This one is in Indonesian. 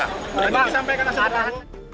pak sampai kena setengah